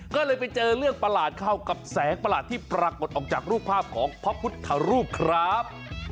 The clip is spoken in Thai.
ก็เลยไปเจอเรื่องประหลาดเข้ากับแสงประหลาดที่ปรากฏออกจากรูปภาพของพระพุทธรูปครับ